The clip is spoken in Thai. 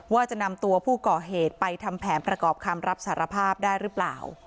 ว่าจะนำตัวผู้ก่อเหตุไปทำแผนประกอบคำรับสารภาพได้หรือเปล่า